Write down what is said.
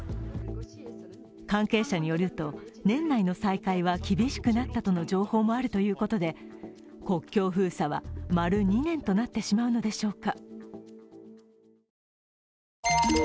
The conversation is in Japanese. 関係者によると、年内の再開は厳しくなったとの情報もあるということで国境封鎖は、丸２年となってしまうのでしょうか。